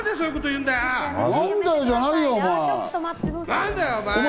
何だよ、お前！